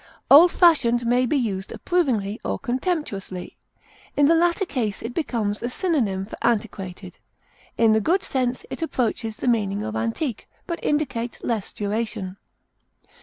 Old fashioned may be used approvingly or contemptuously. In the latter case it becomes a synonym for antiquated; in the good sense it approaches the meaning of antique, but indicates less duration.